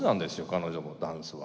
彼女のダンスは。